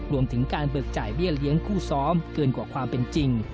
รวมถึงการเบิกจ่ายเบี้ยเลี้ยงคู่ซ้อมเกินกว่าความเป็นจริง